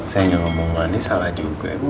saya ngegombalin salah juga ya bu